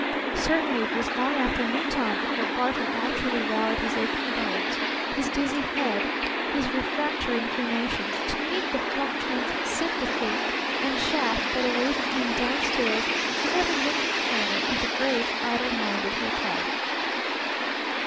Certainly it was long after noon time before Barton actually rallied his aching bones, his dizzy head, his refractory inclinations, to meet the fluctuant sympathy and chaff that awaited him down stairs in every nook and corner of the great, idle minded hotel.